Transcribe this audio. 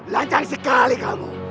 lancang sekali kamu